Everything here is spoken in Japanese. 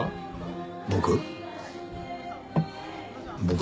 僕？